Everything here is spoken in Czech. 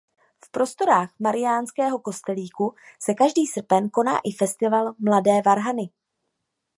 V prostorách Mariánského kostelíku se každý srpen koná i festival Mladé varhany.